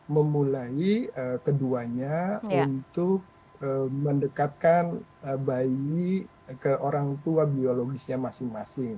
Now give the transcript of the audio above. memulai keduanya untuk mendekatkan bayi ke orang tua biologisnya masing masing